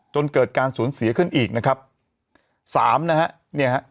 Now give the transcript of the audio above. จนเกิดการสูญเสียขึ้นอีกนะครับสามนะฮะเนี่ยฮะ